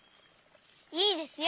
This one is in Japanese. いいですよ。